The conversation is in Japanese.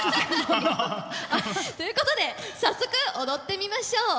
ということで早速踊ってみましょう。